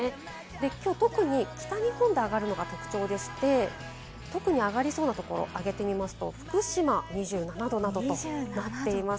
今日は特に北日本で上がるのが特徴でして特に上がりそうなところは挙げてみますと、福島２７度などとなっています。